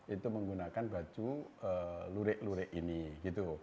itu menggunakan baju lurek lurek ini gitu